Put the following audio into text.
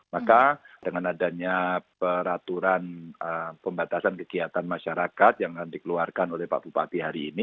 maka dengan adanya peraturan pembatasan kegiatan masyarakat yang dikeluarkan oleh pak bupati hari ini